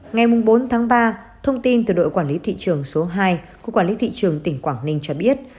ngày bốn tháng ba thông tin từ đội quản lý thị trường số hai của quản lý thị trường tỉnh quảng ninh cho biết